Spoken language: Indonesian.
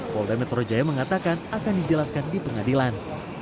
polda metro jaya mengatakan akan dijelaskan di pengadilan